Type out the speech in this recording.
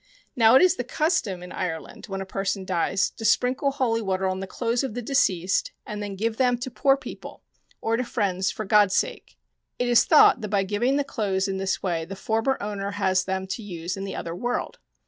Now, it is the custom in Ireland when a person dies to sprinkle holy water on the clothes of the deceased and then give them to poor people or to friends for God's sake. It is thought that by giving the clothes in this way the former owner has them to use in the other world.